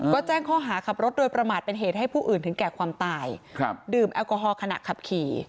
ก็แจ้งข้อหาขับรถโดยประมาทเป็นเหตุให้ผู้อื่นถึงแก่ความตายครับดื่มแอลกอฮอลขณะขับขี่